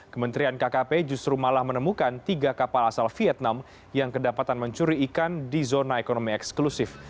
kementerian kkp justru malah menemukan tiga kapal asal vietnam yang kedapatan mencuri ikan di zona ekonomi eksklusif